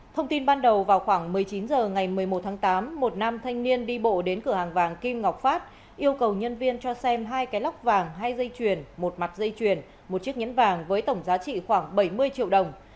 thông tin ban đầu vào khoảng một mươi chín h ngày một mươi một tháng tám một nam thanh niên đi bộ đến cửa hàng vàng kim ngọc phát yêu cầu nhân viên cho xem hai cái lóc vàng hai dây chuyền một mặt dây chuyền một chiếc nhẫn vàng với tổng giá trị khoảng bảy mươi triệu đồng